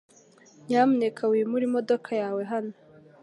Nyamuneka wimure imodoka yawe hano .